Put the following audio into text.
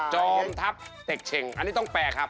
จอมทัพเต็กเฉ่งอันนี้ต้องแปลครับ